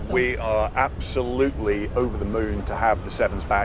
kita benar benar terlalu berharga untuk memiliki sevens kembali